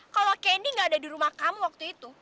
kalau kendi nggak ada di rumah kamu waktu itu